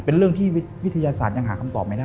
เป็นเรื่องที่วิทยาศาสตร์ยังหาคำตอบไม่ได้